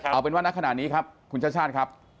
เอาเป็นว่าณขณะนี้ครับคุณชาติชาติครับ